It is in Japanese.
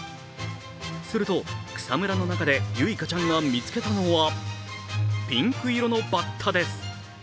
すると、草むらの中で結花ちゃんが見つけたのはピンク色のバッタです。